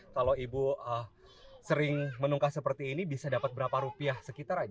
kalau ibu sering menungkah seperti ini bisa dapat berapa rupiah sekitar aja